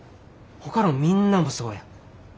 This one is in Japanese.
ほかのみんなもそうや。